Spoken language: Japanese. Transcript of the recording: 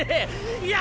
いや！